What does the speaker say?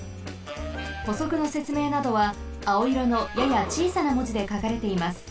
ほそくのせつめいなどはあおいろのややちいさなもじでかかれています。